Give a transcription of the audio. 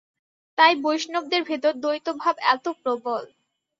তাই বৈষ্ণবদের ভেতর দ্বৈতভাব এত প্রবল।